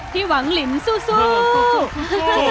ที่หวังลิมสู้